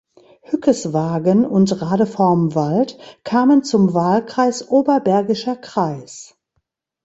Hückeswagen und Radevormwald kamen zum Wahlkreis Oberbergischer Kreis.